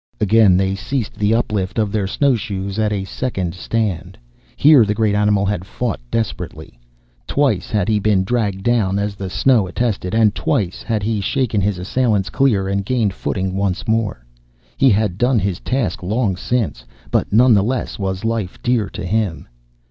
Again, they ceased the uplift of their snowshoes at a second stand. Here the great animal had fought desperately. Twice had he been dragged down, as the snow attested, and twice had he shaken his assailants clear and gained footing once more. He had done his task long since, but none the less was life dear to him.